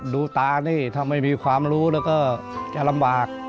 ดูตานี่ถ้าไม่มีความรู้แล้วก็จะลำบาก